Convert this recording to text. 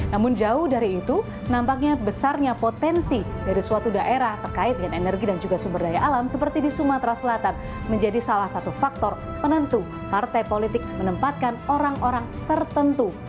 namun jauh dari itu nampaknya besarnya potensi dari suatu daerah terkait dengan energi dan juga sumber daya alam seperti di sumatera selatan menjadi salah satu faktor penentu partai politik menempatkan orang orang tertentu